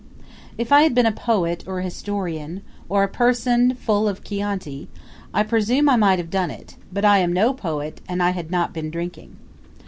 If I had been a poet or a historian, or a person full of Chianti, I presume I might have done it; but I am no poet and I had not been drinking.